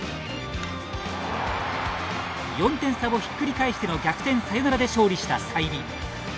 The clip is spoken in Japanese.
４点差をひっくり返しての逆転サヨナラで勝利した済美。